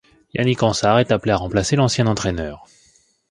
Yannick Ansart est appelé à remplacer l'ancien entraîneur.